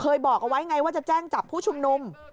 บอกเอาไว้ไงว่าจะแจ้งจับผู้ชุมนุม